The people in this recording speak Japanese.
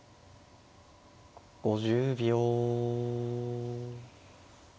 ５０秒。